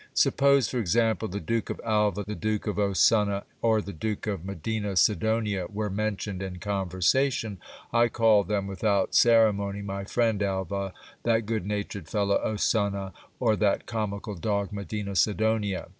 Sup pose, for example, the Duke of Alva, the Duke of Ossuna, or the Duke of Medina Sidonia were mentioned in conversation, I called them without cere mony, my friend Alva, that good natured fellow Ossuna, or that comical dog Medina Sidonia.